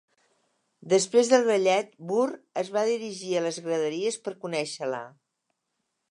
Després del ballet, Burr es va dirigir a les graderies per conèixer-la.